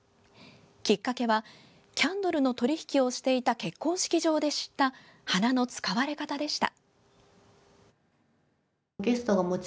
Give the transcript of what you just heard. きっかけはキャンドルの取引をしていた結婚式場で知った花の使われ方でした。